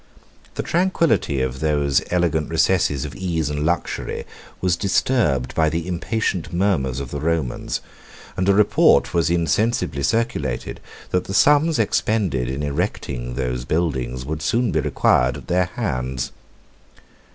20 The tranquility of those elegant recesses of ease and luxury was disturbed by the impatient murmurs of the Romans, and a report was insensibly circulated, that the sums expended in erecting those buildings would soon be required at their hands.